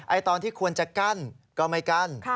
ตอนที่ควรจะกั้นก็ไม่กั้น